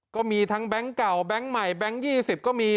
ก็มีทั้งแบงค์เก่าแบงค์ใหม่แบงค์๒๐ก็มี